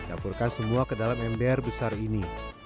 campurkan semua ke dalam ember besar ini